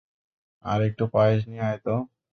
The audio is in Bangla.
আরেকটু পায়েস নিয়ে আয় তো।